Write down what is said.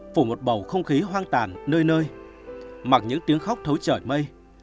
phủ một bầu không khí hoang tàn nơi mặc những tiếng khóc thấu trời mây